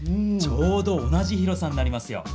ちょうど同じ広さになりますよ。